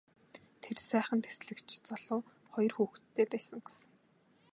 Тэр сайхан дэслэгч залуу хоёр хүүхэдтэй байсан гэсэн.